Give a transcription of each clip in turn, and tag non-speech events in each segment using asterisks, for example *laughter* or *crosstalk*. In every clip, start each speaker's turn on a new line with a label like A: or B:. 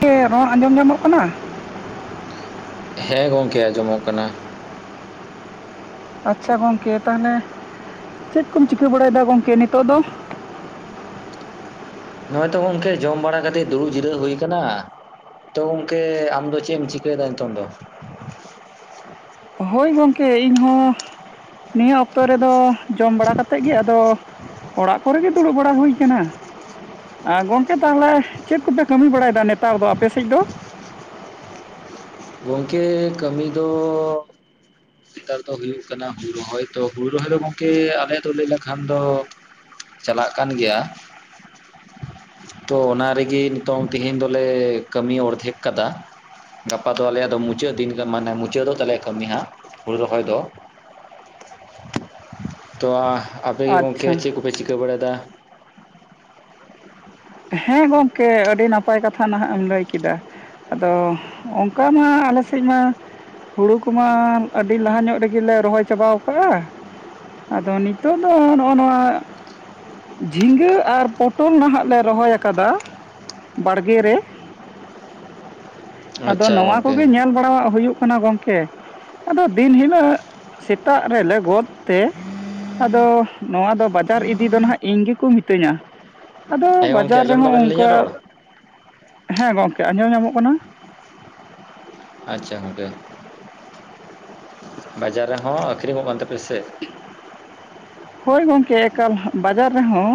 A: *unintelligible* ᱨᱚᱲ ᱟᱸᱡᱚᱢ ᱧᱟᱢᱚᱜ ᱠᱟᱱᱟ??
B: ᱦᱮᱸ ᱜᱚᱝᱠᱮ ᱟᱸᱡᱚᱢᱚᱜ ᱠᱟᱱᱟ ᱾
A: ᱟᱪᱪᱷᱟ ᱜᱚᱝᱠᱮ ᱛᱟᱦᱚᱞᱮ ᱪᱮᱫ ᱠᱚᱢ ᱪᱤᱠᱟᱹ ᱵᱟᱲᱟᱭᱫᱟ ᱜᱚᱝᱠᱮ ᱱᱤᱛᱚᱜ ᱫᱚ?
B: ᱱᱚᱼᱚᱭ ᱛᱚ ᱜᱚᱝᱠᱮ ᱡᱚᱢ ᱵᱟᱲᱟ ᱠᱟᱛᱮᱫ ᱫᱩᱲᱩᱵ ᱡᱤᱨᱟᱹᱜᱣ ᱦᱩᱭ ᱟᱠᱟᱱᱟ ᱾ ᱛᱚ ᱜᱚᱝᱠᱮ ᱟᱢ ᱫᱚ ᱪᱮᱫ ᱮᱢ ᱪᱤᱠᱟᱹᱭ ᱱᱤᱛᱚᱫᱚ??
A: ᱦᱳᱭ ᱜᱚᱢᱠᱮ ᱤᱧ ᱦᱚᱸ ᱱᱤᱭᱟᱹ ᱚᱠᱛᱚ ᱚᱠᱛᱚ ᱨᱮᱫᱚ ᱡᱚᱢ ᱵᱟᱲᱟ ᱠᱟᱛᱮᱫ ᱜᱮ, ᱟᱫᱚ ᱚᱲᱟᱜ ᱠᱚᱨᱮ ᱜᱮ ᱫᱩᱲᱩᱵ ᱵᱟᱲᱟ ᱦᱩᱭ ᱠᱟᱱᱟ ᱾ ᱟ ᱜᱚᱝᱠᱮ ᱛᱟᱦᱚᱞᱮ ᱪᱮᱫ ᱠᱚᱯᱮ ᱠᱟᱹᱢᱤ ᱵᱟᱲᱟᱭ ᱫᱟ ᱱᱮᱛᱟᱨ ᱫᱚ ᱟᱯᱮ ᱥᱮᱡ ᱫᱚ??
B: ᱜᱚᱝᱠᱮ ᱠᱟᱹᱢᱤ ᱫᱚ ᱱᱮᱛᱟᱨ ᱫᱚ ᱦᱩᱭᱩᱜ ᱠᱟᱱᱟ᱾ ᱦᱩᱲᱩ ᱨᱚᱦᱚᱭ ᱛᱚ ᱦᱩᱲᱩ ᱨᱚᱦᱚᱭ ᱫᱚ ᱜᱚᱝᱠᱮ ᱟᱞᱮ ᱫᱚ ᱞᱟᱹᱭ ᱞᱮᱠᱷᱟᱱ ᱫᱚ ᱪᱟᱞᱟᱜ ᱠᱟᱱ ᱜᱮᱭᱟ ᱛᱚ ᱚᱱᱟ ᱨᱮᱜᱮ ᱱᱤᱛᱚᱝ ᱛᱮᱦᱮᱧ ᱫᱚᱞᱮ ᱠᱟᱹᱢᱤ ᱚᱨᱫᱷᱮᱠ ᱠᱟᱫᱟ ᱟᱫᱚ ᱟᱞᱮᱭᱟᱜ ᱫᱚ ᱢᱩᱪᱟᱹᱫ ᱫᱤᱱ ᱢᱟᱱᱮ ᱢᱩᱪᱟᱹᱫᱚᱜ ᱛᱟᱞᱮ ᱠᱟᱹᱢᱤ ᱦᱟᱸ ᱦᱩᱲᱩ ᱨᱚᱦᱚᱭ ᱫᱚ ᱾ ᱛᱚ ᱟᱯᱮ ᱜᱚᱝᱠᱮ
A: ᱟᱪᱪᱷᱟ
B: ᱪᱮᱫ ᱠᱚᱯᱮ ᱪᱤᱠᱟᱹ ᱵᱟᱲᱟᱭ ᱫᱟ?
A: ᱦᱮᱸ ᱜᱚᱝᱠᱮ ᱟᱹᱰᱤ ᱱᱟᱯᱟᱭ ᱠᱟᱛᱷᱟ ᱱᱟᱦᱟ ᱮᱢ ᱞᱟᱹᱭ ᱠᱮᱫᱟ ᱾ ᱟᱫᱚ ᱚᱝᱠᱟ ᱢᱟ ᱟᱞᱮᱥᱮᱫ ᱢᱟ ᱦᱩᱲᱩ ᱠᱚᱢᱟ ᱟᱹᱰᱤ ᱞᱟᱦᱟ ᱧᱚᱜ ᱨᱮ ᱜᱮᱞᱮ ᱨᱚᱦᱚᱭ ᱪᱟᱵᱟᱣᱠᱟᱼᱟ ᱟᱫᱚ ᱱᱤᱛᱚᱜ ᱫᱚ ᱱᱚᱜ ᱱᱚᱣᱟ ᱡᱷᱤᱸᱜᱟᱹ ᱟᱨ ᱯᱚᱴᱚᱞ ᱱᱟᱦᱟ ᱞᱮ ᱨᱚᱦᱚᱭ ᱟᱠᱟᱫᱟ ᱵᱟᱲᱜᱮ ᱨᱮ ᱟᱫᱚ
B: ᱟᱪᱪᱷᱟ
A: ᱱᱚᱣᱟ
B: ᱜᱚᱝᱠᱮ
A: ᱠᱚᱜᱮ ᱧᱮᱞ ᱵᱟᱲᱟ ᱦᱩᱭᱩᱜ ᱠᱟᱱᱟ ᱜᱚᱝ ᱠᱮ ᱟᱫᱚ ᱫᱤᱱ ᱦᱤᱞᱳᱜ ᱥᱮᱛᱟᱜ ᱨᱮᱞᱮ ᱜᱚᱫ ᱛᱮ ᱟᱫᱚ ᱱᱚᱣᱟ ᱫᱚ ᱵᱟᱡᱟᱨ ᱤᱫᱤ ᱫᱚ ᱱᱟᱦᱟᱜ ᱤᱧ ᱜᱮᱠᱚ ᱢᱤᱛᱟᱹᱧᱟ ᱟᱫᱚ
B: ᱦᱮᱸ ᱜᱚᱝᱠᱮ
A: ᱵᱟᱡᱟᱨ
B: ᱟᱸᱡᱚᱢ
A: ᱨᱮᱦᱚᱸ
B: ᱫᱟᱵᱮᱱ
A: ᱚᱝᱠᱟ
B: ᱟᱹᱞᱤᱧᱟᱜ ᱨᱚᱲ?
A: ᱦᱮᱸ ᱜᱚᱝᱠᱮ ᱟᱸᱡᱚᱢ ᱧᱟᱢᱚᱜ ᱠᱟᱱᱟ?
B: ᱟᱪᱪᱷᱟ ᱜᱚᱝᱠᱮ᱾ ᱵᱟᱡᱟᱨ ᱨᱮᱦᱚᱸ ᱟᱹᱠᱷᱨᱤᱧᱚᱜ ᱠᱟᱱ ᱛᱟᱯᱮᱭᱟ ᱥᱮ?
A: ᱦᱳᱭ ᱜᱚᱝᱠᱮ ᱮᱠᱟᱞ ᱵᱟᱡᱟᱨ ᱨᱮᱦᱚᱸ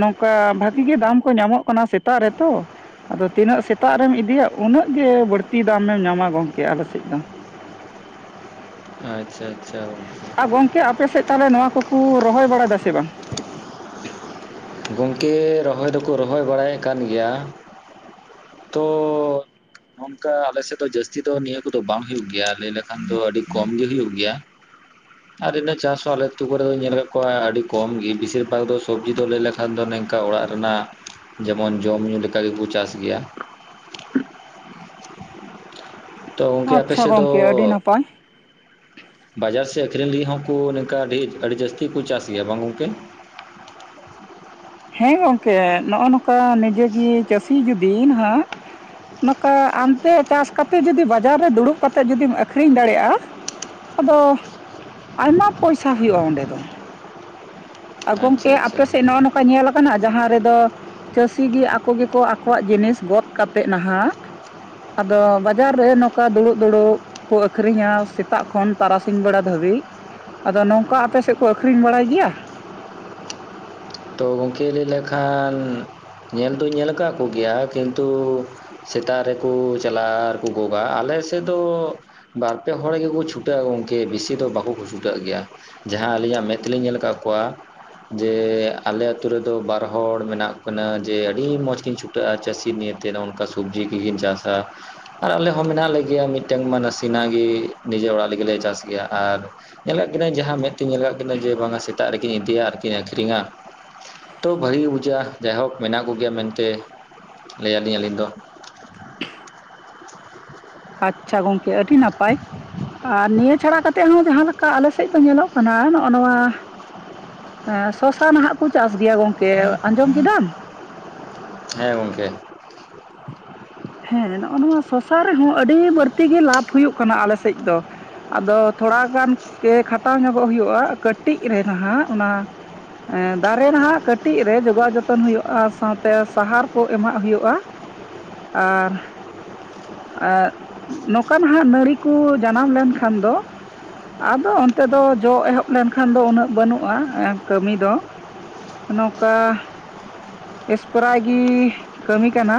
A: ᱱᱚᱝᱠᱟ ᱵᱷᱟᱜᱤ ᱜᱮ ᱫᱟᱢ ᱠᱚ ᱧᱟᱢᱚᱜ ᱠᱟᱱᱟ ᱥᱮᱛᱟᱜ ᱨᱮᱛᱚ ᱟᱫᱚ ᱛᱤᱱᱟᱹᱜ ᱥᱮᱛᱟᱜ ᱨᱮᱢ ᱤᱫᱤᱭᱟ ᱩᱱᱟᱹ ᱜᱮ ᱵᱟᱹᱲᱛᱤ ᱫᱟᱢᱮᱢ ᱧᱟᱢᱟ ᱜᱚᱝᱠᱮ ᱟᱞᱮᱥᱮᱡ ᱫᱚ᱾
B: ᱟᱪᱪᱷᱟ ᱟᱪᱪᱷᱟ᱾
A: ᱟᱨ ᱜᱚᱝᱠᱮ ᱟᱯᱮᱥᱮᱫ ᱛᱟᱦᱞᱮ ᱱᱚᱣᱟ ᱠᱚᱠᱩ ᱨᱚᱦᱚᱭ ᱵᱟᱲᱟᱭᱫᱟ ᱥᱮ ᱵᱟᱝ?
B: ᱜᱚᱝᱠᱮᱻ ᱨᱚᱦᱚᱭ ᱫᱚᱠᱚ ᱨᱚᱦᱚᱭ ᱵᱟᱲᱟᱭᱮᱜ ᱠᱟᱱ ᱜᱮᱭᱟ᱾ ᱛᱚᱻ ᱱᱚᱝᱠᱟ ᱟᱞᱮᱥᱮᱫ ᱫᱚ ᱡᱟᱹᱥᱛᱤ ᱫᱚ ᱱᱤᱭᱟᱹ ᱠᱚᱫᱚ ᱵᱟᱝ ᱦᱩᱭᱩᱜ ᱜᱮᱭᱟ ᱞᱟᱹᱭ ᱞᱮᱠᱷᱟᱱ ᱫᱚ ᱟᱹᱰᱤ ᱠᱚᱢᱜᱮ ᱦᱩᱭᱩᱜ ᱜᱮᱭᱟ᱾
A: *inaudible*
B: ᱟᱨ ᱤᱱᱟᱹ ᱪᱟᱥ ᱦᱚᱸ ᱟᱞᱮ ᱟᱛᱩ ᱠᱚᱨᱮ ᱫᱚᱧ ᱧᱮᱞ ᱟᱠᱟᱫ ᱠᱚᱣᱟ ᱟᱹᱰᱤ ᱠᱚᱢ ᱜᱮ, ᱵᱤᱥᱤᱨ ᱵᱷᱟᱜᱽ ᱫᱚ ᱥᱚᱵᱽᱡᱤ ᱫᱚ ᱞᱟᱹᱭ ᱞᱮᱻ ᱞᱮᱠᱷᱟᱱ ᱫᱚ ᱱᱤᱝᱠᱟ ᱚᱲᱟᱜ ᱨᱮᱱᱟᱜ ᱡᱮᱢᱚᱱ ᱡᱚᱢ-ᱧᱩ ᱞᱮᱠᱟ ᱜᱮᱵᱚ ᱪᱟᱥ ᱜᱮᱭᱟ᱾ ᱛᱚ ᱜᱚᱝᱠᱮ ᱟᱯᱮ
A: ᱟᱪᱪᱷᱟ
B: ᱥᱮᱫ ᱫᱚᱻ
A: ᱜᱚᱝᱠᱮ ᱟᱹᱰᱤ ᱱᱟᱯᱟᱭ
B: ᱵᱟᱡᱟᱨ ᱥᱮᱫ ᱟᱹᱠᱷᱨᱤᱧ ᱞᱟᱹᱜᱤᱫ ᱦᱚᱸᱠᱩ ᱱᱤᱝᱠᱟ ᱫᱷᱮᱨ, ᱟᱹᱰᱤ ᱡᱟᱹᱥᱛᱤ ᱠᱚ ᱪᱟᱥ ᱜᱮᱭᱟ ᱵᱟᱝ ᱜᱚᱝᱠᱮ?
A: ᱦᱮᱸ ᱜᱚᱝᱠᱮ ᱱᱚᱜ-ᱚ ᱱᱚᱝᱠᱟ ᱱᱤᱡᱮ ᱜᱮ ᱪᱟᱹᱥᱤ ᱡᱩᱫᱤ ᱱᱟᱜ ᱱᱚᱝᱠᱟ ᱟᱢᱛᱮ ᱪᱟᱥ ᱠᱟᱛᱮ ᱡᱩᱫᱤ ᱵᱟᱡᱟᱨ ᱨᱮ ᱫᱩᱲᱩᱵ ᱠᱟᱛᱮᱫ ᱡᱩᱫᱤᱢ ᱟᱠᱠᱷᱨᱤᱧ ᱫᱟᱲᱮᱭᱟᱜ-ᱟ, ᱟᱫᱚ ᱟᱭᱢᱟ ᱯᱚᱭᱥᱟ ᱦᱩᱭᱩ-ᱟ ᱚᱸᱰᱮ ᱫᱚ᱾ ᱟᱨ
B: ᱟᱪᱪᱷᱟ
A: ᱜᱚᱝᱠᱮ
B: ᱟᱪᱪᱷᱟ
A: ᱟᱯᱮ ᱥᱮᱫ ᱱᱚᱜ-ᱚ ᱱᱚᱝᱠᱟ ᱧᱮᱞ ᱠᱟᱱᱟ ᱡᱟᱦᱟᱸ ᱨᱮᱫᱚᱻ ᱪᱟᱹᱥᱤ ᱜᱮ ᱟᱠᱚ ᱜᱮᱠᱚ ᱟᱠᱚᱣᱟᱜ ᱡᱤᱱᱤᱥ ᱜᱚᱫ ᱠᱟᱛᱮᱫ ᱱᱟᱦᱟᱜ ᱟᱫᱚ ᱵᱟᱡᱟᱨ ᱨᱮ ᱱᱚᱝᱠᱟ ᱫᱩᱲᱩᱵ ᱫᱩᱲᱩᱵ ᱠᱚ ᱟᱹᱠᱷᱨᱤᱧᱟ ᱥᱮᱛᱟᱜ ᱠᱷᱚᱱ ᱛᱟᱨᱟᱥᱤᱧ ᱵᱮᱲᱟ ᱫᱷᱟᱹᱵᱤᱡ᱾ ᱟᱫᱚ ᱱᱚᱝᱠᱟ ᱟᱯᱮ ᱥᱮᱫ ᱠᱚ ᱟᱹᱠᱷᱨᱤᱧ ᱵᱟᱲᱟᱭ ᱜᱮᱭᱟ?
B: ᱛᱚ ᱜᱚᱝᱠᱮ ᱞᱟᱹᱭ ᱞᱮᱠᱷᱟᱱ ᱧᱮᱞ ᱫᱩᱧ ᱧᱮᱞ ᱟᱠᱟᱜ ᱠᱚᱜᱮᱭᱟ, ᱠᱤᱱᱛᱩ ᱥᱮᱛᱟᱜ ᱨᱮᱠᱚ ᱪᱟᱞᱟᱜ-ᱟ ᱟᱨᱠᱚ ᱜᱚᱜᱟ᱾ ᱟᱞᱮ ᱥᱮᱫ ᱫᱚ-ᱼ ᱵᱟᱨ ᱯᱮ ᱦᱚᱲ ᱜᱮᱠᱚ ᱪᱷᱩᱴᱟᱹᱜ-ᱟ ᱜᱚᱝᱠᱮ ᱵᱤᱥᱤ ᱫᱚ ᱵᱟᱠᱚ ᱠᱚ ᱪᱷᱩᱴᱟᱹᱜ ᱜᱮᱭᱟ᱾ ᱡᱟᱦᱟᱸ ᱟᱹᱞᱤᱧᱟᱜ ᱢᱮᱸᱫ ᱛᱮᱞᱤᱧ ᱧᱮᱞ ᱟᱠᱟᱜ ᱠᱚᱣᱟ ᱡᱮ ᱟᱞᱮ ᱟᱛᱩ ᱨᱮᱫᱚ ᱵᱟᱨ ᱦᱚᱲ ᱢᱮᱱᱟᱜ ᱠᱤᱱᱟᱹ ᱡᱮ ᱟᱹᱰᱤ ᱢᱚᱸᱡᱽ ᱠᱤᱱ ᱪᱷᱩᱴᱟᱹᱜᱼᱟ ᱪᱟᱹᱥᱤ ᱱᱤᱭᱟᱹ ᱛᱮ ᱱᱚᱜ-ᱱᱚᱝᱠᱟ ᱥᱚᱵᱡᱤ ᱠᱚᱠᱤᱱ ᱪᱟᱥᱟ᱾ ᱟᱨ ᱟᱞᱮ ᱦᱚᱸ ᱢᱮᱱᱟᱜ ᱞᱮᱜᱮᱭᱟ ᱢᱤᱫᱴᱟᱹᱝ ᱢᱟ ᱱᱟᱥᱮᱱᱟᱜ ᱜᱮ ᱱᱤᱡᱮ ᱚᱲᱟᱜ ᱞᱟᱹᱜᱤᱫᱮᱞᱮ ᱪᱟᱥ ᱜᱮᱭᱟ᱾ ᱟᱨ ᱧᱮᱞ ᱠᱟᱜ ᱠᱤᱱᱟᱹ ᱡᱟᱦᱟᱸ ᱢᱮᱫ ᱛᱮᱧ ᱧᱮᱞ ᱠᱟᱷ ᱠᱤᱱᱟᱹ ᱡᱮ ᱵᱟᱝᱟ ᱥᱮᱛᱟᱜ ᱨᱮᱠᱤᱱ ᱤᱫᱤᱭᱟ ᱟᱨᱠᱤᱱ ᱟᱹᱠᱷᱨᱤᱧᱟ᱾ ᱛᱚ ᱵᱷᱟᱹᱜᱤ ᱜᱮ ᱵᱩᱡᱷᱟᱹᱜ-ᱟ᱾ ᱡᱟᱭᱦᱳᱠ ᱢᱮᱱᱟᱜ ᱠᱚᱜᱮᱭᱟ ᱢᱮᱱᱛᱮ ᱞᱟᱹᱭᱟᱹᱞᱤᱧ ᱟᱹᱞᱤᱧ ᱫᱚ᱾
A: ᱟᱪᱪᱷᱟ ᱜᱚᱝᱠᱮ ᱟᱹᱰᱤ ᱱᱟᱯᱟᱭ᱾ ᱟᱨ ᱱᱤᱭᱟᱹ ᱪᱷᱟᱲᱟ ᱠᱟᱛᱮᱫ ᱦᱚᱸ ᱡᱟᱦᱟᱸ ᱞᱮᱠᱟ ᱟᱞᱮ ᱥᱮᱫ ᱠᱚ ᱧᱮᱞᱚᱜ ᱠᱟᱱᱟ ᱱᱚᱜ-ᱚ ᱱᱚᱣᱟ ᱦᱮᱸ ᱥᱚᱥᱟ ᱱᱟᱦᱟᱜ ᱠᱩ ᱪᱟᱥ ᱜᱮᱭᱟ ᱜᱚᱝᱠᱮ, ᱟᱸᱡᱚᱢ ᱠᱮᱫᱟᱢ?
B: ᱦᱮᱸ ᱜᱚᱝᱠᱮ᱾
A: ᱦᱮᱸ ᱱᱚᱜ-ᱚ ᱱᱚᱣᱟ ᱥᱚᱥᱟ ᱨᱮᱦᱚᱸ ᱟᱹᱰᱤ ᱵᱟᱹᱲᱛᱤ ᱜᱮ ᱞᱟᱵᱷ ᱦᱩᱭᱩᱜ ᱠᱟᱱᱟ ᱟᱞᱮ ᱥᱮᱫ ᱫᱚ᱾ ᱟᱫᱚ ᱛᱷᱚᱲᱟ ᱜᱟᱱ ᱜᱮ ᱠᱷᱟᱴᱟᱣ ᱧᱚᱜᱚᱜ ᱦᱩᱭᱩᱜ-ᱟ ᱠᱟᱹᱴᱤᱡ ᱨᱮ ᱱᱟᱦᱟᱜ ᱚᱱᱟ ᱮᱸᱻ ᱫᱟᱨᱮ ᱱᱟᱦᱟᱜ ᱠᱟᱹᱴᱤᱡ ᱨᱮ ᱡᱚᱜᱟᱣ ᱡᱚᱛᱚᱱ ᱦᱩᱭᱩᱜ-ᱟ ᱥᱟᱶᱛᱮ ᱥᱟᱦᱟᱨ ᱠᱚ ᱮᱢᱟᱜ ᱦᱩᱭᱩᱜ-ᱟ᱾ ᱟᱨ ᱟᱸᱜ, ᱱᱚᱝᱠᱟ ᱱᱟᱦᱟᱜ ᱱᱟᱹᱲᱤ ᱠᱚ ᱡᱟᱱᱟᱢ ᱞᱮᱱᱠᱷᱟᱱ ᱫᱚ ᱟᱫᱚ ᱚᱱᱛᱮ ᱫᱚ ᱡᱚ ᱮᱦᱚᱵ ᱞᱮᱱᱠᱷᱟᱱ ᱫᱚ ᱩᱱᱟᱹᱜ ᱵᱟᱹᱱᱩᱜ-ᱟ ᱠᱟᱹᱢᱤ ᱫᱚ᱾ ᱱᱚᱝᱠᱟ ᱮᱥᱯᱨᱟᱭ ᱜᱤ ᱠᱟᱹᱢᱤ ᱠᱟᱱᱟ᱾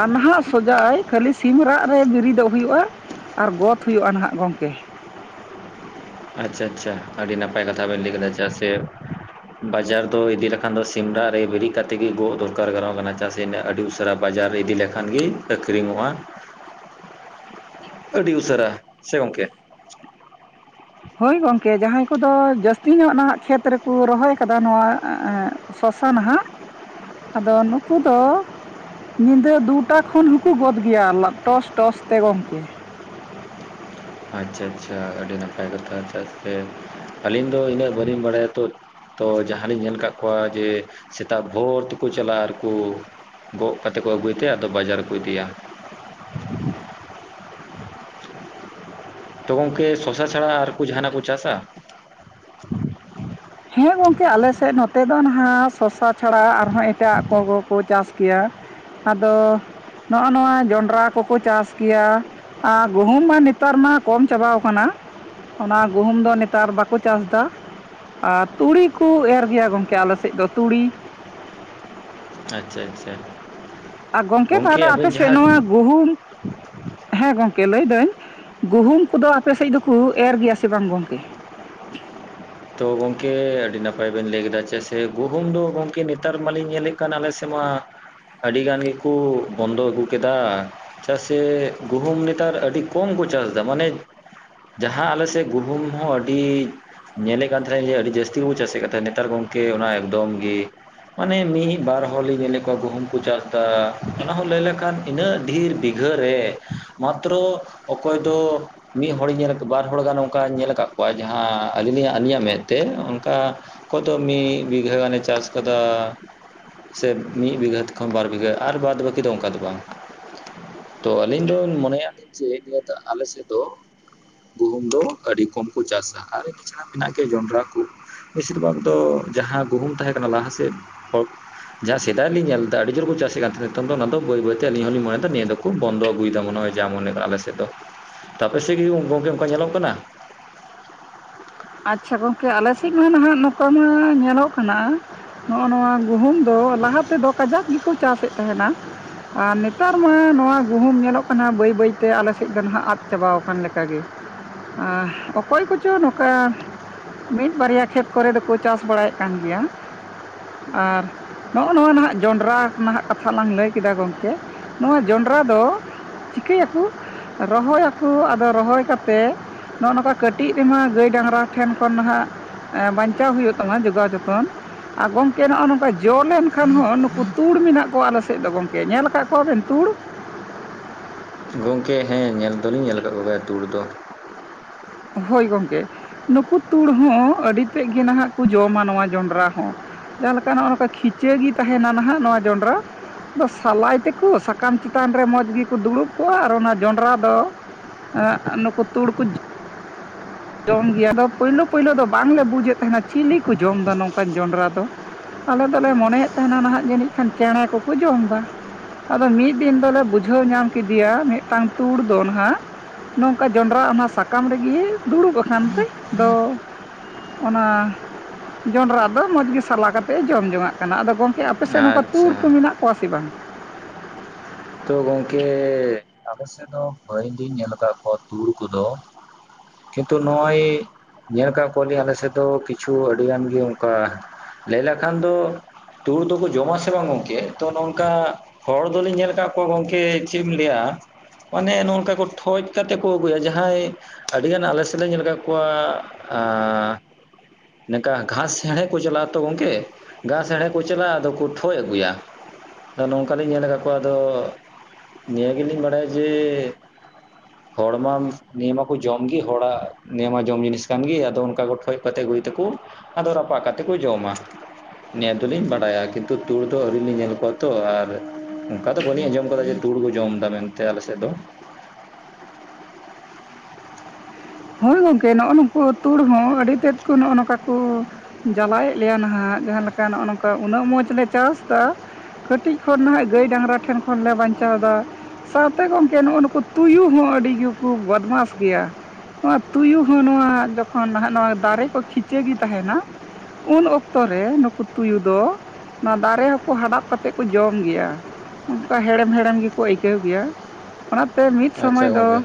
A: ᱟᱢ ᱦᱟᱸᱜ ᱥᱚᱡᱟᱭ ᱠᱷᱟᱹᱞᱤ ᱥᱤᱢ ᱨᱟᱜ ᱨᱮ ᱵᱮᱨᱤᱫᱚᱜ ᱦᱩᱭᱩᱜ-ᱟ᱾ ᱟᱨ ᱜᱚᱫ ᱦᱩᱭᱩᱜ-ᱟ ᱱᱟᱦᱟᱜ ᱜᱚᱝᱠᱮ᱾
B: ᱟᱪᱪᱷᱟ ᱟᱪᱪᱷᱟ, ᱟᱹᱰᱤ ᱱᱟᱯᱟᱭ ᱠᱟᱛᱷᱟ ᱵᱮᱱ ᱞᱟᱹᱭ ᱠᱮᱫᱟ᱾ ᱪᱮᱫᱟᱜ ᱥᱮ ᱵᱟᱡᱟᱨ ᱫᱚ ᱤᱫᱤ ᱞᱮᱠᱷᱟᱱ ᱫᱚ ᱥᱤᱢᱨᱟᱜ ᱨᱮ ᱵᱮᱨᱮᱫ ᱠᱟᱛᱮᱫ ᱜᱮ ᱜᱚᱫ ᱫᱚᱨᱠᱟᱨ ᱜᱟᱱᱚᱜ ᱠᱟᱱᱟ ᱪᱟᱥ ᱟᱹᱰᱤ ᱩᱥᱟᱹᱨᱟ ᱵᱟᱡᱟᱨ ᱨᱮ ᱤᱫᱤ ᱞᱮᱠᱷᱟᱱ ᱜᱮ ᱟᱹᱠᱷᱨᱤᱧᱚᱜ-ᱟ᱾
A: *inaudible*
B: ᱟᱹᱰᱤ ᱩᱥᱟᱹᱨᱟ ᱥᱮ ᱜᱚᱢᱠᱮ᱾
A: ᱦᱳᱭ ᱜᱚᱢᱠᱮ ᱡᱟᱦᱟᱸᱭ ᱠᱚᱫᱚ ᱡᱟᱹᱥᱛᱤ ᱧᱚᱜ ᱱᱟᱦᱟᱜ ᱠᱷᱮᱛ ᱨᱮᱠᱚ ᱨᱚᱦᱚᱭ ᱠᱟᱫᱟ ᱱᱚᱣᱟ ᱮᱸᱜ ᱥᱚᱥᱟᱱ ᱱᱟᱦᱟᱜ ᱟᱫᱚ ᱱᱩᱠᱩ ᱫᱚ ᱧᱤᱫᱟᱹ ᱫᱩᱴᱟ ᱠᱷᱚᱱ ᱦᱚᱸᱠᱚ ᱜᱚᱫ ᱜᱮᱭᱟ ᱞᱟ ᱴᱚᱥ ᱴᱚᱥ ᱛᱮ ᱜᱚᱢᱠᱮ᱾
B: ᱟᱪᱪᱷᱟ ᱟᱪᱪᱷᱟ ᱟᱹᱰᱤ ᱱᱟᱯᱟᱭ ᱪᱮᱫᱟᱜ ᱥᱮ ᱟᱹᱞᱤᱧ ᱫᱚ ᱤᱱᱟᱹᱜ ᱵᱟᱹᱞᱤᱧ ᱵᱟᱲᱟᱭᱟ ᱛᱚ᱾ ᱛᱚ ᱡᱟᱦᱟᱸᱞᱤᱧ ᱧᱮᱞ ᱟᱠᱟᱫ ᱠᱚᱣᱟ ᱡᱮ ᱥᱮᱛᱟᱜ ᱵᱷᱳᱨ ᱛᱮᱠᱚ ᱪᱟᱞᱟᱜ-ᱟ ᱟᱨ ᱠᱩ ᱜᱚᱫ ᱠᱟᱛᱮᱫ ᱠᱚ ᱟᱹᱜᱩᱭ ᱛᱮ ᱟᱫᱚ ᱵᱟᱡᱟᱨ ᱨᱮᱠᱚ ᱤᱫᱤᱭᱟ᱾ ᱛᱚ ᱜᱚᱝᱠᱮ ᱥᱚᱥᱟ ᱪᱷᱟᱲᱟ ᱟᱨᱠᱩ ᱡᱟᱦᱟᱱᱟᱜ ᱠᱚ ᱪᱟᱥᱟ?
A: ᱦᱮᱸ ᱜᱚᱢᱠᱮ ᱟᱞᱮ ᱥᱮᱫ ᱱᱚᱛᱮ ᱫᱚ ᱱᱟᱦᱟᱜ ᱥᱚᱥᱟ ᱪᱷᱟᱲᱟ ᱟᱨᱦᱚᱸ ᱮᱴᱟᱜ ᱠᱚᱜᱜᱚ ᱠᱚ ᱪᱟᱥ ᱜᱮᱭᱟ᱾ ᱟᱫᱚ ᱱᱚᱜ-ᱚ ᱱᱚᱣᱟ ᱡᱚᱸᱰᱨᱟ ᱠᱚᱠᱚ ᱪᱟᱥ ᱜᱮᱭᱟ᱾ ᱟᱨ ᱜᱩᱦᱩᱢ ᱢᱟ ᱱᱮᱛᱟᱨ ᱢᱟ ᱠᱚᱢ ᱪᱟᱵᱟᱣ ᱟᱠᱟᱱᱟ᱾ ᱚᱱᱟ ᱜᱩᱦᱩᱢ ᱫᱚ ᱱᱮᱛᱟᱨ ᱵᱟᱠᱚ ᱪᱟᱥᱫᱟ᱾ ᱟᱨ ᱛᱩᱲᱤ ᱠᱚ ᱮᱨ ᱜᱮᱭᱟ ᱜᱚᱝᱠᱮ ᱟᱞᱮ ᱥᱮᱫ ᱫᱚ ᱛᱩᱲᱤ᱾
B: ᱟᱪᱪᱷᱟ ᱟᱪᱪᱷᱟ᱾
A: ᱟᱨ ᱜᱚᱢᱠᱮ
B: ᱜᱚᱝᱠᱮ
A: ᱛᱟᱦᱞᱮ ᱟᱯᱮ
B: ᱟᱵᱮᱱ
A: ᱥᱮᱫ
B: ᱡᱟᱦᱟᱸ
A: ᱱᱚᱣᱟ ᱜᱩᱦᱩᱢ ᱦᱮᱸ ᱜᱚᱝᱠᱮ ᱞᱟᱹᱭ ᱫᱟᱹᱧ ᱜᱩᱦᱩᱢ ᱠᱚᱫᱚ ᱟᱯᱮ ᱥᱮᱫ ᱫᱚᱠᱚ ᱮᱨ ᱜᱮᱭᱟ ᱥᱮ ᱵᱟᱝ ᱜᱚᱝᱠᱮ?
B: ᱛᱚ ᱜᱚᱢᱠᱮ ᱟᱹᱰᱤ ᱱᱟᱯᱟᱭ ᱵᱮᱱ ᱞᱟᱹᱭ ᱠᱮᱫᱟ, ᱪᱮᱫᱟᱜ ᱥᱮ ᱜᱩᱦᱩᱢ ᱫᱚ ᱜᱚᱢᱠᱮ ᱱᱮᱛᱟᱨ ᱢᱟᱞᱤᱧ ᱧᱮᱞᱮᱫ ᱠᱟᱱ ᱟᱞᱮ ᱥᱮᱫ ᱢᱟ ᱟᱹᱰᱤ ᱜᱟᱱ ᱜᱮᱠᱩ ᱵᱚᱱᱫᱚ ᱟᱹᱜᱩ ᱠᱮᱫᱟ᱾ ᱪᱮᱫᱟᱜ ᱥᱮ ᱜᱩᱦᱩᱢ ᱱᱮᱛᱟᱨ ᱟᱹᱰᱤ ᱠᱚᱢ ᱠᱚ ᱪᱟᱥ ᱮᱫᱟ ᱢᱟᱱᱮ ᱡᱟᱦᱟᱸ ᱟᱞᱮᱥᱮᱫ ᱜᱩᱦᱩᱢ ᱦᱚ ᱟᱹᱰᱤ ᱧᱮᱞᱮᱫ ᱠᱟᱱ ᱛᱟᱦᱮᱸᱱᱟ ᱡᱮ ᱟᱹᱰᱤ ᱡᱟᱹᱥᱛᱤ ᱵᱚ ᱪᱟᱥᱮᱫ ᱠᱟᱱ ᱛᱟᱦᱮᱸᱫ᱾ ᱱᱮᱛᱟᱨ ᱜᱚᱝᱠᱮ ᱚᱱᱟ ᱮᱠᱫᱚᱢ ᱜᱮ ᱢᱟᱱᱮ ᱢᱤᱫ ᱵᱟᱨ ᱦᱚᱲᱞᱤᱧ ᱧᱮᱞᱮᱫ ᱠᱚᱣᱟ ᱜᱩᱦᱩᱢ ᱠᱚ ᱪᱟᱥᱫᱟ, ᱚᱱᱟ ᱦᱚᱸ ᱞᱟᱹᱭ ᱞᱮᱠᱷᱟᱱ ᱤᱱᱟᱹᱜ ᱰᱷᱤᱨ ᱵᱤᱜᱷᱟᱹ ᱨᱮ ᱢᱟᱛᱨᱚ ᱚᱠᱚᱭ ᱫᱚ ᱢᱤᱫ ᱦᱚᱲᱤᱧ ᱧᱮᱞᱟᱛᱚ᱾ ᱵᱟᱨ ᱦᱚᱲ ᱜᱟᱱ ᱚᱱᱠᱟᱧ ᱧᱮᱞ ᱟᱠᱟᱫ ᱠᱚᱣᱟ ᱡᱟᱦᱟᱸ ᱟᱹᱞᱤᱧ ᱞᱤᱧᱟᱜ ᱟᱹᱞᱤᱧᱟᱜ ᱢᱮᱫ ᱛᱮ ᱚᱱᱠᱟ ᱚᱠᱚᱭ ᱫᱚ ᱢᱤᱫ ᱵᱤᱜᱷᱟ ᱜᱟᱱᱮ ᱪᱟᱥ ᱠᱟᱫᱟ᱾᱾ ᱥᱮ ᱢᱤᱫ ᱵᱤᱜᱷᱟᱹ ᱠᱷᱚᱱ ᱵᱟᱨ ᱵᱤᱜᱷᱟᱹ ᱟᱨ ᱵᱟᱫ ᱵᱟᱹᱠᱤ ᱫᱚ ᱚᱱᱠᱟ ᱫᱚ ᱵᱟᱝ᱾ ᱛᱚ ᱟᱹᱞᱤᱧ ᱫᱚᱧ ᱢᱚᱱᱮᱭᱟ ᱞᱤᱧ ᱡᱮ ᱱᱤᱭᱟᱹ ᱫᱚ ᱟᱞᱮ ᱥᱮᱫ ᱫᱚ ᱜᱩᱦᱩᱢ ᱫᱚ ᱟᱹᱰᱤ ᱠᱚᱢ ᱠᱚ ᱪᱟᱥᱟ᱾ᱟᱨ ᱜᱮᱭᱟ ᱡᱚᱸᱰᱨᱟ ᱠᱚ, ᱵᱤᱥᱤᱨ ᱵᱷᱟᱜᱽ ᱫᱚ ᱡᱟᱦᱟᱸ ᱜᱩᱦᱩᱢ ᱛᱟᱦᱮᱸ ᱠᱟᱱᱟ ᱞᱟᱦᱟ ᱥᱮᱫ ᱡᱟᱦᱟᱸ ᱥᱮᱫᱟᱭ ᱨᱮᱞᱤᱧ ᱧᱮᱞ ᱞᱮᱫᱟ ᱟᱹᱰᱤ ᱡᱳᱨ ᱠᱚ ᱪᱟᱥᱮ ᱠᱟᱱ ᱛᱟᱦᱮᱸᱫ᱾ ᱱᱤᱛᱚᱝ ᱫᱚ ᱚᱱᱟ ᱵᱟᱹᱭ ᱵᱟᱹᱭ ᱛᱮᱞᱤᱧ ᱦᱚᱸᱞᱤᱧ ᱢᱱᱮᱭᱟ ᱱᱤᱭᱟᱹ ᱫᱚ ᱠᱩ ᱵᱚᱱᱫᱚ ᱟᱹᱜᱩᱭᱮᱫᱟᱭ ᱵᱚᱱ ᱢᱟ ᱢᱚᱱᱮ ᱟᱞᱮᱥᱮᱫ ᱡᱮ ᱫᱚ, ᱛᱚ ᱟᱯᱮᱥᱮᱫ ᱜᱮ ᱜᱚᱝᱠᱮ ᱚᱱᱠᱟ ᱧᱮᱞᱚᱜ ᱠᱟᱱᱟ? *unintelligible*
A: ᱟᱪᱪᱷᱟ ᱜᱚᱝᱠᱮ ᱟᱞᱮ ᱥᱮᱫ ᱢᱟ ᱱᱟᱦᱟᱜ ᱱᱚᱝᱠᱟ ᱢᱟ ᱧᱮᱞᱚᱜ ᱠᱟᱱᱟ᱾ ᱱᱚᱜᱼᱚ ᱱᱚᱣᱟ ᱜᱩᱦᱩᱢ ᱫᱚ ᱞᱟᱦᱟ ᱛᱮᱫᱚ ᱠᱟᱡᱟᱠ ᱜᱮᱠᱚ ᱪᱟᱥᱮᱫ ᱛᱟᱦᱮᱱᱟ᱾ ᱟᱨ ᱱᱮᱛᱟᱨ ᱢᱟ ᱱᱚᱣᱟ ᱜᱩᱦᱩᱢ ᱧᱮᱞᱚᱜ ᱠᱟᱱᱟ ᱦᱟᱜ ᱵᱟᱹᱭ ᱵᱟᱹᱭᱛᱮ ᱟᱞᱮ ᱥᱮᱫ ᱫᱚ ᱱᱟᱦᱟᱜ ᱟᱫᱲᱱ ᱪᱟᱵᱟ ᱟᱠᱟᱱ ᱞᱮᱠᱟᱜᱮ᱾ ᱟ ᱚᱠᱚᱭ ᱠᱚᱪᱚ ᱱᱩᱡ ᱠᱟ ᱢᱤᱫ ᱵᱟᱨᱭᱟ ᱠᱷᱮᱛ ᱠᱚᱨᱮ ᱫᱚᱠᱚ ᱪᱟᱥ ᱵᱟᱲᱟᱭᱮᱫ ᱠᱟᱱ ᱜᱮᱭᱟ᱾ ᱟᱨ ᱱᱚᱜᱼᱚ ᱱᱚᱣᱟ ᱱᱟᱦᱟᱜ ᱡᱚᱸᱰᱨᱟ ᱱᱟᱦᱟᱜ ᱠᱟᱛᱷᱟ ᱞᱟᱝ ᱞᱟᱹᱭ ᱠᱮᱫᱟ ᱜᱚᱢᱠᱮ ᱱᱚᱣᱟ ᱡᱚᱸᱰᱨᱟ ᱫᱚ ᱪᱤᱠᱟᱹ ᱭᱟᱠᱚ᱾ ᱨᱚᱦᱚᱭᱟᱠᱚ ᱟᱫᱚ ᱨᱚᱦᱚᱭ ᱠᱟᱛᱮ ᱱᱚᱜᱼᱚ ᱱᱚᱝᱠᱟ ᱠᱟᱹᱴᱤᱡ ᱨᱮᱢᱟ ᱜᱟᱹᱭ ᱰᱟᱝᱨᱟ ᱴᱷᱮᱱ ᱠᱷᱚᱱ ᱱᱟᱦᱟᱜ ᱮᱸ ᱵᱟᱧᱪᱟᱣ ᱦᱩᱭᱩᱜ ᱛᱟᱢᱟ ᱡᱚᱜᱟᱣ ᱡᱚᱛᱚᱱ᱾ ᱟᱨ ᱜᱚᱢᱠᱮ ᱱᱚᱜᱼᱚ ᱞᱭ ᱱᱚᱝᱠᱟ ᱡᱚ ᱞᱮᱱᱠᱷᱟᱱ ᱦᱚᱸ ᱱᱩᱠᱩ ᱛᱩᱲ ᱢᱮᱱᱟᱜ ᱠᱚᱣᱟ ᱟᱞᱮ ᱥᱮᱫ ᱫᱚ ᱜᱚᱢᱠᱮ᱾ ᱧᱮᱞ ᱟᱠᱟᱫ ᱠᱚᱣᱟ ᱵᱮᱱ ᱛᱩᱲ?
B: ᱜᱚᱝᱠᱮ ᱦᱮᱸ ᱧᱮᱞ ᱫᱚᱞᱤᱧ ᱧᱮᱞ ᱟᱠᱟᱫ ᱠᱚᱜᱮᱭᱟ ᱫᱩᱲ ᱫᱚ᱾
A: ᱦᱳᱭ ᱜᱚᱢᱠᱮ, ᱱᱩᱠᱩ ᱛᱩᱲ ᱦᱚᱸ ᱟᱹᱰᱤ ᱛᱮᱫ ᱜᱮ ᱱᱟᱦᱟᱜ ᱠᱚ ᱡᱚᱢᱟ ᱱᱚᱣᱟ ᱡᱚᱱᱰᱨᱟ ᱦᱚᱸ᱾ ᱡᱟᱦᱟᱸ ᱞᱮᱠᱟ ᱱᱚᱜᱚ ᱱᱚᱝᱠᱟ ᱠᱷᱤᱪᱟᱹ ᱜᱤ ᱛᱟᱦᱮᱱᱟ ᱱᱟᱦᱟᱜ ᱱᱚᱣᱟ ᱡᱚᱸᱰᱨᱟ᱾ ᱟᱫᱚ ᱥᱟᱞᱟᱭ ᱛᱮᱠᱚ ᱥᱟᱠᱟᱢ ᱪᱮᱛᱟᱱ ᱨᱮ ᱢᱚᱡᱽ ᱜᱮᱠᱚ ᱫᱩᱲᱩᱵ ᱠᱚᱜᱟ ᱟᱨ ᱚᱱᱟ ᱡᱚᱸᱰᱨᱟ ᱫᱚ ᱟᱜ ᱟ ᱱᱩᱠᱩ ᱛᱩᱲ ᱠᱩ ᱡᱚᱢ ᱜᱮᱭᱟ ᱟᱫᱚ ᱯᱳᱭᱞᱳ ᱯᱳᱭᱞᱳ ᱫᱚ ᱵᱟᱝᱞᱮ ᱵᱩᱡᱮᱜ ᱛᱟᱦᱮᱱᱟ ᱪᱤᱞᱤ ᱠᱚ ᱡᱚᱢᱫᱟ ᱱᱚᱝᱠᱟᱱ ᱡᱚᱸᱰᱨᱟ ᱫᱚ᱾ ᱟᱞᱮ ᱫᱚᱞᱮ ᱢᱚᱱᱮᱭᱮᱜ ᱛᱟᱦᱮᱱᱟ ᱱᱟᱦᱟᱜ ᱡᱟᱹᱱᱤᱡ ᱠᱷᱟᱱ ᱪᱮᱬᱮ ᱠᱚᱠᱚ ᱡᱚᱢᱫᱟ᱾ ᱟᱫᱚ ᱢᱤᱫ ᱫᱤᱱ ᱫᱚᱞᱮ ᱵᱩᱡᱷᱟᱹᱣ ᱧᱟᱢ ᱠᱮᱫᱤᱭᱟ ᱢᱤᱫᱴᱟᱝ ᱛᱩᱲ ᱫᱚ ᱱᱟᱦᱟᱜ ᱱᱚᱝᱠᱟ ᱡᱚᱸᱰᱨᱟ ᱚᱱᱟ ᱥᱟᱠᱟᱢ ᱨᱮᱜᱮ ᱫᱩᱲᱩᱵ ᱟᱠᱟᱱ ᱛᱮ ᱟᱫᱚ ᱚᱱᱟ ᱡᱚᱱᱰᱨᱟ ᱫᱚ ᱢᱚᱡᱽ ᱜᱮ ᱥᱟᱞᱟ ᱠᱟᱛᱮᱜ ᱮ ᱡᱚᱢ ᱡᱚᱝᱟᱜ ᱠᱟᱱᱟ᱾ ᱟᱫᱚ ᱜᱚᱢᱠᱮ ᱟᱯ ᱟᱯᱮᱥᱮᱜ ᱱᱚᱝᱠᱟ ᱛᱩᱲ
B: ᱟᱪᱪᱷᱟ
A: ᱠᱚ ᱢᱮᱱᱟᱜ ᱠᱚᱣᱟ ᱥᱮ ᱵᱟᱝ?
B: ᱛᱚ ᱜᱚᱝᱠᱮ ᱟᱯᱮ ᱥᱮᱜ ᱫᱚ ᱵᱟᱹᱧ ᱜᱤᱧ ᱧᱮᱞ ᱟᱠᱟᱜ ᱠᱚ ᱛᱩᱨ ᱠᱚᱫᱚ᱾ ᱠᱤᱱᱛᱩ ᱱᱚᱜᱚᱭ ᱧᱮᱞ ᱟᱠᱟᱜ ᱠᱚᱣᱟᱞᱤᱧ ᱟᱞᱮ ᱥᱮᱜ ᱫᱚ ᱠᱤᱪᱷᱩ ᱟᱹᱰᱤ ᱜᱟᱱ ᱜᱮ ᱚᱱᱠᱟ ᱞᱟᱹᱭ ᱞᱮᱠᱷᱟᱱ ᱫᱚ ᱛᱩᱲ ᱫᱚᱠᱚ ᱡᱚᱢᱟ ᱥᱮ ᱵᱟᱝ ᱜᱚᱝᱠᱮ ᱛᱚ ᱱᱚᱝᱠᱟ ᱦᱚᱲ ᱫᱚᱞᱤᱧ ᱧᱮᱞ ᱠᱟᱜ ᱠᱚ ᱜᱚᱝᱠᱮ ᱪᱮᱜ ᱮᱢ ᱞᱟᱹᱭᱟ ᱢᱟᱱᱮ ᱱᱚᱜᱚ ᱱᱚᱝᱠᱟ ᱠᱚ ᱴᱷᱚᱡ ᱠᱟᱛᱮ ᱠᱚ ᱟᱹᱜᱩᱭᱟ᱾ ᱡᱟᱦᱟᱸᱭ ᱟᱹᱰᱤᱜᱟᱱ ᱟᱞᱮ ᱥᱮᱜ ᱫᱚ ᱧᱮᱞ ᱟᱠᱟᱜ ᱠᱚᱣᱟ ᱟᱻ ᱱᱚᱱᱠᱟ ᱜᱷᱟᱥ ᱦᱮᱬᱦᱮᱜ ᱠᱚ ᱪᱟᱞᱟᱜ-ᱟ ᱛᱚ ᱜᱚᱝᱠᱮ ᱜᱷᱟᱥ ᱦᱮᱬᱦᱮᱜ ᱠᱚ ᱪᱟᱞᱟᱜ-ᱟ ᱟᱫᱚ ᱠᱚ ᱴᱷᱚᱡ ᱟᱹᱜᱩᱭᱟ᱾ ᱟᱫᱚ ᱱᱚᱝᱠᱟᱞᱤᱧ ᱧᱮᱞ ᱟᱠᱟᱜ ᱠᱚᱣᱟ ᱟᱫᱚ ᱱᱤᱭᱟᱹ ᱜᱮᱞᱤᱧ ᱵᱟᱲᱟᱭᱟ ᱡᱮ
A: *inaudible*
B: ᱦᱚᱲᱢᱟ ᱱᱤᱭᱟᱹ ᱢᱟᱠᱚ ᱡᱚᱢ ᱜᱤ ᱦᱚᱲᱟᱜ ᱱᱤᱭᱟᱹ ᱢᱟ ᱡᱚᱢ ᱡᱤᱱᱤᱥ ᱠᱟᱱ ᱜᱤ ᱟᱫᱚ ᱚᱱᱠᱟ ᱠᱚ ᱴᱷᱚᱡ ᱠᱟᱛᱮᱜ ᱟᱜᱩᱭ ᱫᱟᱜ ᱠᱩ᱾ ᱟᱫᱚ ᱨᱟᱯᱟᱜ ᱠᱟᱛᱮᱜ ᱠᱚ ᱡᱚᱢᱟ᱾ ᱱᱤᱭᱟᱹ ᱫᱚᱞᱤᱧ ᱵᱟᱲᱟᱭᱟ ᱠᱤᱱᱛᱩ ᱛᱩᱲ ᱫᱚ ᱟᱹᱣᱨᱤ ᱞᱤᱧ ᱧᱮᱞ ᱠᱚᱣᱟ ᱛᱚ ᱟᱨ ᱚᱱᱠᱟ ᱫᱚ ᱵᱟᱹᱞᱤᱧ ᱟᱸᱡᱚᱢ ᱠᱟᱫᱟ ᱡᱮ ᱛᱩᱲ ᱠᱚ ᱡᱚᱢ ᱫᱟ ᱢᱮᱱᱛᱮ ᱟᱞᱮ ᱥᱮᱜ ᱫᱚ᱾
A: ᱦᱳᱭ ᱜᱚᱝᱠᱮ ᱱᱚᱜᱚ ᱱᱩᱠᱩ ᱛᱩᱲ ᱦᱚᱸ ᱟᱹᱰᱤ ᱛᱮᱫ ᱠᱚ ᱱᱚᱜᱚ ᱱᱚᱝᱠᱟ ᱠᱩ ᱡᱟᱞᱟᱭᱮᱜ ᱞᱮᱭᱟ ᱱᱟᱦᱟᱜ ᱡᱟᱦᱟᱸ ᱞᱮᱠᱟ ᱱᱚᱜ ᱱᱚᱝᱠᱟ ᱩᱱᱟᱹᱜ ᱢᱚᱸᱡᱽ ᱞᱮ ᱪᱟᱥ ᱫᱟ ᱠᱟᱹᱴᱤᱡ ᱠᱷᱚᱱ ᱱᱟᱦᱟᱜ ᱜᱟᱹᱭ ᱰᱟᱝᱨᱟ ᱴᱷᱮᱱ ᱠᱷᱚᱱᱞᱮ ᱵᱟᱧᱪᱟᱣᱫᱟ᱾ ᱥᱟᱶᱛᱮ ᱜᱚᱝᱠᱮ ᱱᱚᱜᱚ ᱱᱩᱠᱩ ᱛᱩᱭᱩ ᱦᱚᱸ ᱟᱹᱰᱤ ᱜᱮᱠᱚ ᱵᱚᱫᱢᱟᱥ ᱜᱮᱭᱟ᱾ ᱱᱚᱣᱟ ᱛᱩᱭᱩ ᱦᱚᱸ ᱱᱚᱣᱟ ᱡᱚᱠᱷᱚᱱ ᱱᱟᱦᱟᱜ ᱱᱚᱣᱟ ᱫᱟᱨᱮ ᱠᱚ ᱠᱷᱤᱪᱟᱹ ᱜᱮ ᱛᱟᱦᱮᱱᱟ ᱩᱱ ᱚᱠᱛᱚ ᱨᱮ ᱱᱩᱠᱩ ᱛᱩᱭᱩ ᱫᱚ ᱚᱱᱟ ᱫᱟᱨᱮ ᱦᱚᱸᱠᱚ ᱦᱟᱰᱟᱵ ᱠᱟᱛᱮᱜ ᱠᱚ ᱡᱚᱢ ᱜᱮᱭᱟ᱾ ᱚᱱᱠᱟ ᱦᱮᱲᱮᱢ ᱦᱮᱲᱮᱢ ᱜᱮᱠᱚ ᱟᱹᱭᱠᱟᱹᱣ ᱜᱮᱭᱟ᱾ ᱚᱱᱟᱛᱮ ᱢᱤᱫ
B: ᱟᱪᱪᱷᱟ
A: ᱥᱚᱢᱚᱭ ᱫᱚ
B: ᱜᱚᱝᱠᱮ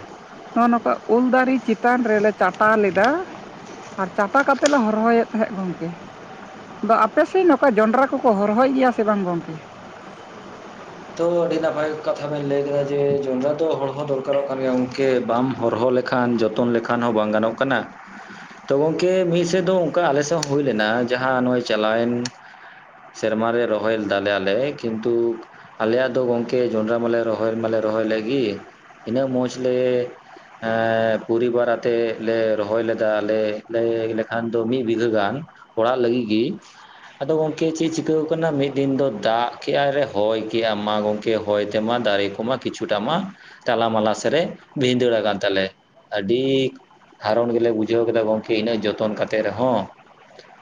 A: ᱦᱚᱜᱚ ᱱᱚᱝᱠᱟ ᱩᱞ ᱫᱟᱨᱤ ᱪᱤᱛ ᱪᱮᱛᱟᱱ ᱨᱮᱞᱮ ᱪᱟᱴᱟ ᱞᱮᱫᱟ ᱟᱨ ᱪᱟᱴᱟ ᱠᱟᱛᱮᱜ ᱞᱮ ᱦᱚᱨᱦᱚᱭᱮᱜ ᱛᱟᱦᱮᱸᱫ ᱜᱚᱝᱠᱮ᱾ ᱫᱚ ᱟᱯᱮᱥᱮᱜ ᱱᱚᱝᱠᱟ ᱡᱚᱱᱰᱽᱨᱟ ᱠᱚᱠᱚ ᱦᱚᱨᱦᱚᱭ ᱜᱮᱭᱟ ᱥᱮ ᱵᱟᱝ ᱜᱚᱝᱠᱮ?
B: ᱛᱚ ᱟᱹᱰᱤ ᱱᱟᱯᱟᱭ ᱠᱟᱛᱷᱟ ᱵᱮᱱ ᱞᱟᱹᱭ ᱠᱮᱫᱟ ᱡᱮ ᱡᱚᱱᱰᱽᱨᱟ ᱫᱚ ᱦᱚᱲ ᱦᱚᱸ ᱫᱚᱨᱠᱟᱨᱚᱜ ᱠᱟᱱ ᱜᱮᱭᱟ ᱜᱚᱝᱠᱮ ᱵᱟᱢ ᱦᱚᱨᱦᱚ ᱞᱮᱠᱷᱟᱱ ᱡᱚᱛᱚᱱ ᱞᱮᱠᱷᱟᱱ ᱦᱚᱸ ᱵᱟᱝ ᱜᱟᱱᱚᱜ ᱠᱟᱱᱟ᱾ ᱛᱚ ᱜᱚᱝᱠᱮ ᱢᱤᱫ ᱥᱮᱜ ᱫᱚ ᱚᱱᱠᱟ ᱟᱞᱮ ᱥᱮᱜ ᱦᱚ ᱦᱩᱭ ᱞᱮᱱᱟ ᱡᱟᱦᱟᱸ ᱱᱚᱜᱚᱭ ᱪᱟᱞᱟᱣᱮᱱ ᱥᱮᱨᱢᱟ ᱨᱮ ᱨᱚᱦᱚᱭ ᱞᱮᱫᱟᱞᱮ ᱟᱞᱮ ᱠᱤᱱᱛᱩ ᱟᱞᱮᱭᱟᱜ ᱫᱚ ᱜᱚᱝᱠᱮ ᱡᱚᱱᱰᱽᱨᱟ ᱢᱟᱞᱮ ᱨᱚᱦᱚᱭ ᱢᱟᱞᱮ ᱨᱚᱦᱚᱭ ᱞᱮᱜ ᱜᱤ ᱤᱱᱟᱹᱜ ᱢᱚᱸᱡᱽ ᱞᱮ ᱯᱚᱨᱤᱵᱟᱨ ᱟᱛᱮᱜ ᱞᱮ ᱨᱚᱦᱚᱭ ᱞᱮᱫᱟ ᱟᱞᱮ ᱞᱟᱹᱭ ᱞᱮᱠᱷᱟᱱ ᱫᱚ ᱢᱤᱜ ᱵᱤᱜᱷᱟᱹ ᱜᱟᱱ᱾ ᱚᱲᱟᱜ ᱞᱟᱹᱜᱤᱫᱜᱤ ᱜᱤ᱾ ᱟᱫᱚ ᱜᱚᱝᱠᱮ ᱪᱮᱜ ᱪᱤᱠᱟᱹᱣ ᱠᱟᱱᱟ ᱢᱤᱫ ᱫᱤᱱ ᱫᱚ ᱫᱟᱜ ᱠᱮᱜᱟᱭ ᱨᱮ ᱦᱚᱭ ᱠᱮᱜᱟ ᱢᱟ ᱜᱚᱝᱠᱮ ᱦᱚᱭ ᱛᱮᱢᱟ ᱫᱟᱨᱮ ᱠᱚᱢᱟ ᱠᱤᱪᱷᱩᱴᱟ ᱢᱟ ᱛᱟᱞᱟ ᱢᱟᱞᱟ ᱥᱟᱜᱨᱮ ᱵᱷᱤᱫᱟᱹᱲ ᱟᱠᱟᱱ ᱛᱟᱞᱮ ᱟᱹᱰᱤ ᱦᱟᱨᱚᱱ ᱜᱮᱞᱮ ᱵᱩᱡᱷᱟᱹᱣ ᱠᱮᱫᱟ ᱜᱚᱝᱠᱮ ᱤᱱᱟᱹᱜ ᱡᱚᱛᱚᱱ ᱠᱟᱛᱮᱜ ᱨᱮᱦᱚᱸ᱾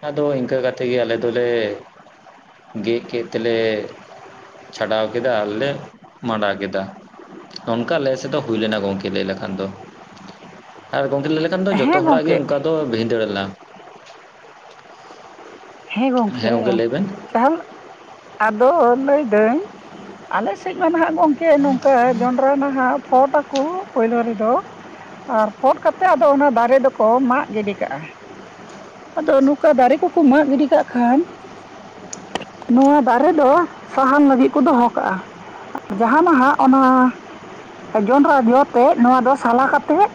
B: ᱟᱫᱚ ᱤᱱᱠᱟᱹ ᱠᱟᱛᱮᱜ ᱜᱮ ᱟᱞᱮ ᱫᱚᱞᱮ ᱜᱮᱜ ᱠᱮᱫ ᱛᱮᱞᱮ ᱪᱷᱟᱰᱟᱣ ᱠᱮᱫᱟ ᱟᱨᱞᱮ ᱢᱟᱸᱰᱟ ᱠᱮᱫᱟ᱾ ᱱᱚᱝᱠᱟ ᱟᱞᱮ ᱥᱮᱫ ᱦᱩᱭ ᱞᱮᱱᱟ ᱜᱚᱝᱠᱮ ᱞᱟᱹᱭ ᱞᱮᱠᱷᱟᱱ ᱫᱚ ᱟᱨ ᱜᱚᱢᱠᱮ ᱞᱟᱹᱭ ᱞᱮ ᱠᱷᱟᱱ ᱫᱚ ᱡᱚᱛᱚ
A: ᱦᱮᱸ
B: ᱦᱚᱲᱟᱜ ᱜᱮ
A: ᱜᱚᱢᱠᱮ
B: ᱚᱝᱠᱟ ᱫᱚ ᱵᱷᱤᱸᱫᱟᱹᱲ ᱞᱮᱱᱟ᱾
A: ᱦᱮᱸ ᱜᱚᱝᱠᱮ ᱪᱟᱦᱚ ᱟᱫᱚ ᱞᱟᱹᱭᱫᱟᱹᱧ ᱟᱞᱮ ᱥᱮᱜ ᱢᱟ ᱱᱟᱦᱟᱜ ᱜᱚᱝᱠᱮ ᱱᱚᱝᱠᱟ ᱡᱚᱸᱰᱽᱨᱟ ᱱᱟᱦᱟᱜ ᱯᱷᱳᱴᱟᱠᱚ ᱯᱚᱭᱞᱳ ᱨᱮᱫᱚ᱾ ᱟᱨ ᱯᱷᱳᱰ ᱠᱟᱛᱮᱜ ᱟᱫᱚ ᱚᱱᱟ ᱫᱟᱨᱮ ᱫᱚᱠᱚ ᱢᱟᱜ ᱜᱤᱰᱤ ᱠᱟᱜᱼᱟ᱾ ᱟᱫᱚ ᱱᱚᱠᱟ ᱫᱟᱨᱮ ᱠᱚᱠᱚ ᱢᱟᱜ ᱜᱤᱰᱤ ᱠᱟᱜ ᱠᱷᱟᱱ ᱱᱚᱣᱟ ᱫᱟᱨᱮ ᱫᱚ ᱥᱟᱦᱟᱱ ᱞᱟᱹᱜᱤᱜ ᱠᱚ ᱫᱚᱦᱚ ᱠᱟᱜᱼᱟ᱾ ᱡᱟᱦᱟᱸ ᱱᱟᱦᱟᱜ ᱚᱱᱟ ᱡᱚᱸᱰᱽᱨᱟ ᱡᱚ ᱛᱮᱫ ᱱᱚᱣᱟ ᱫᱚ ᱥᱟᱞᱟ ᱠᱟᱛᱮᱜ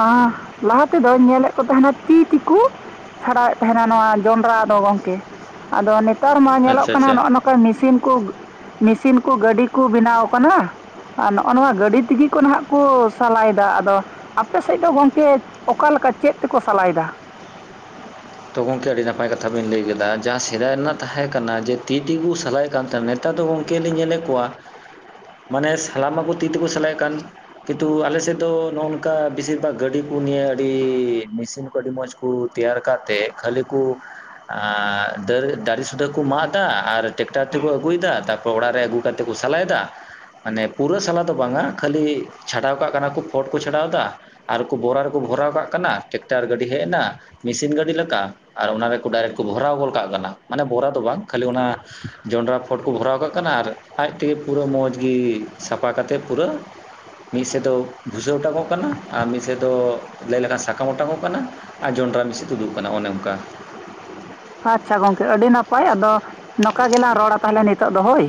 A: ᱟᱸ ᱞᱟᱦᱟ ᱛᱮ ᱫᱚᱧ ᱧᱮᱞᱮᱜ ᱠᱚ ᱛᱟᱦᱮᱱᱟ ᱛᱤᱛᱤ ᱠᱩ ᱪᱷᱟᱲᱟᱣᱮᱜ ᱛᱟᱦᱮᱱᱟ ᱱᱚᱣᱟ ᱡᱚᱸᱰᱽᱨᱟ ᱫᱚ ᱜᱚᱝᱠᱮ, ᱟᱫᱚ ᱱᱮᱛᱟᱨ ᱢᱟ ᱧᱮᱞᱚᱜ
B: ᱟᱪᱪᱷᱟ
A: ᱠᱟᱱᱟ
B: ᱟᱪᱪᱷᱟ
A: ᱱᱚᱜᱼᱚ ᱱᱚ ᱠᱟ ᱢᱮᱥᱤᱱ ᱠᱚ ᱢᱮᱥᱤᱱ ᱠᱚ ᱜᱟᱹᱰᱤ ᱠᱩ ᱵᱮᱱᱟᱣ ᱠᱟᱱᱟ᱾ ᱟᱨ ᱱᱚᱜᱼᱚ ᱱᱚᱣᱟ ᱜᱟᱹᱰᱤ ᱛᱮᱜᱮ ᱠᱚ ᱱᱟᱦᱟᱜ ᱠᱚ ᱥᱟᱞᱟᱭᱫᱟ ᱟᱫᱚ ᱟᱯᱮ ᱥᱮᱜ ᱫᱚ ᱜᱚᱝᱠᱮ ᱚᱠᱟ ᱞᱮᱠᱟ ᱪᱮᱫ ᱛᱮᱠᱚ ᱥᱟᱞᱟᱭᱫᱟ?
B: ᱛᱚ ᱜᱚᱝᱠᱮ ᱟᱹᱰᱤ ᱱᱟᱯᱟᱭ ᱠᱟᱛᱷᱟ ᱵᱤᱱ ᱞᱟᱹᱭ ᱠᱮᱫᱟ ᱡᱟᱦᱟᱸ ᱥᱮᱫᱟᱭ ᱨᱮᱱᱟᱜ ᱛᱟᱦᱮᱸ ᱠᱟᱱᱟ ᱡᱮ ᱛᱤ ᱛᱮᱜᱮ ᱠᱩ ᱥᱟᱞᱟᱭᱮᱜ ᱠᱟᱱ ᱛᱟ ᱛᱟᱨ ᱫᱚ ᱜᱚᱝᱠᱮ ᱞᱤᱧ ᱧᱮᱞᱮᱜ ᱠᱚᱣᱟ ᱢᱟᱱᱮ ᱥᱞᱟᱢᱟ ᱠᱚ ᱛᱤ ᱛᱮᱠᱚ ᱥᱮᱞᱟᱭᱮᱜ ᱠᱟᱱ ᱠᱤᱱᱛᱩ ᱟᱞᱮᱥᱮᱜ ᱫᱚ ᱱᱚᱜᱼᱚ ᱱᱚᱝᱠᱟ ᱵᱮᱥᱤᱨ ᱵᱷᱟᱜᱽ ᱜᱟᱹᱰᱤ ᱠᱚ ᱱᱤᱭᱮ ᱟᱹᱰᱤ ᱢᱮᱥᱤᱱ ᱠᱚ ᱟᱹᱰᱤ ᱢᱚᱸᱡᱽ ᱠᱚ ᱛᱮᱭᱟᱨ ᱠᱟᱛᱮᱜ ᱠᱷᱟᱹᱞᱤ ᱠᱚ ᱟᱨ ᱫᱟᱹᱨ ᱫᱟᱨᱮ ᱥᱩᱫᱷᱟᱹ ᱠᱚ ᱢᱟᱜᱫᱟ ᱟᱨ- ᱴᱮᱠᱴᱟᱨ ᱛᱮᱠᱚ ᱟᱹᱜᱩᱭᱫᱟ ᱛᱟᱯᱚᱨ ᱚᱲᱟᱜ ᱨᱮ ᱟᱹᱜᱩ ᱠᱟᱛᱮᱜ ᱠᱚ ᱥᱟᱞᱟᱭᱫᱟ᱾ ᱢᱟᱱᱮ ᱯᱩᱨᱟᱹ ᱥᱟᱞᱟ ᱫᱚ ᱵᱟᱝᱟ ᱠᱷᱟᱹᱞᱤ ᱪᱷᱟᱰᱟᱣ ᱠᱟᱜ ᱠᱟᱱᱟ ᱠᱚ ᱯᱷᱳᱰ ᱠᱚ ᱪᱷᱟᱰᱟᱣᱫᱟ᱾ ᱟᱨᱠᱚ ᱵᱚᱨᱟ ᱨᱮᱠᱚ ᱵᱷᱚᱨᱟᱣ ᱠᱟᱜ ᱠᱟᱱᱟ ᱴᱮᱠᱴᱟᱨ ᱜᱟᱹᱰᱤ ᱦᱮᱜᱱᱟ ᱢᱮᱥᱤᱱ ᱜᱟᱹᱰᱤ ᱞᱮᱠᱟ ᱟᱨ ᱚᱱᱟ ᱨᱮᱠᱚ ᱰᱟᱭᱨᱮᱠᱴ ᱠᱚ ᱵᱷᱚᱨᱟᱣ ᱜᱚᱞ ᱠᱟᱜ ᱠᱟᱱᱟ ᱢᱟᱱᱮ ᱵᱚᱨᱟ ᱫᱚ ᱵᱟᱝ ᱠᱷᱟᱹᱞᱤ ᱚᱱᱟ ᱡᱚᱱᱰᱨᱟ ᱯᱷᱚᱴ ᱠᱚ ᱵᱷᱚᱨᱟᱣ ᱠᱟᱜ ᱠᱟᱱᱟ ᱟᱨ ᱟᱡ ᱛᱮᱜᱮ ᱯᱩᱨᱟᱹ ᱢᱚᱸᱡᱽ ᱜᱮ ᱥᱟᱯᱷᱟ ᱠᱟᱛᱮᱫ ᱯᱩᱨᱟᱹ ᱢᱤᱜ ᱥᱮᱜ ᱫᱚ ᱵᱷᱩᱥᱟᱹ ᱚᱴᱟᱝᱚᱜ ᱠᱟᱱᱟ ᱟᱨ ᱢᱤᱜ ᱥᱮᱜ ᱫᱚ ᱞᱟᱹᱭ ᱞᱮᱠᱷᱟᱱ ᱥᱟᱠᱟᱢ ᱚᱴᱟᱝᱚᱜ ᱠᱟᱱᱟ᱾ ᱟᱨ ᱡᱚᱱᱰᱽᱨᱟ ᱢᱤᱥᱮ ᱛᱩᱫᱩᱜ ᱠᱟᱱᱟ ᱚᱱᱮ ᱚᱝᱠᱟ᱾
A: ᱟᱪᱪᱷᱟ ᱜᱚᱝᱠᱮ ᱟᱹᱰᱤ ᱱᱟᱯᱟᱭ ᱟᱫᱚ ᱱᱚᱠᱟ ᱜᱮᱞᱟᱝ ᱨᱚᱲᱟ ᱛᱟᱦᱞᱮ ᱱᱤᱛᱚᱜ ᱫᱚ ᱦᱳᱭ᱾